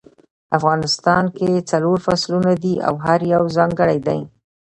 افغانستان کې څلور فصلونه دي او هر یو ځانګړی ده